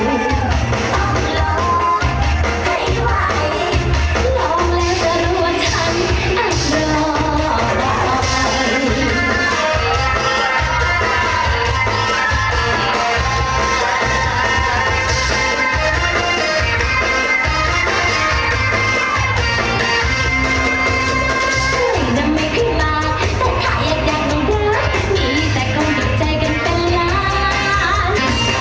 ไม่น้ำไม่คิดมากแต่ถ้าอยากยากต้องเพิ่งมีแต่ความตื่นใจกันตลาด